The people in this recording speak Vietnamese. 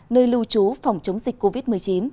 nơi lưu trú phòng chống dịch covid một mươi chín